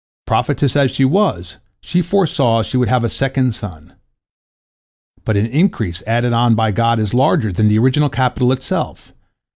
Prophetess as she was, she foresaw she would have a second son. But an increase added on by God is larger than the original capital itself.